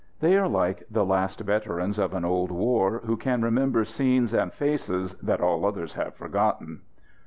They are like the last veterans of an old war, who can remember scenes and faces that all others have forgotten.